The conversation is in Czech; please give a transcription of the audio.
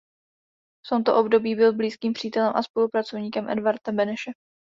V tomto období byl blízkým přítelem a spolupracovníkem Edvarda Beneše.